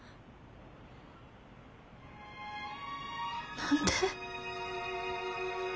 何で？